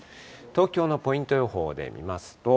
東京のポイント予報で見ますと。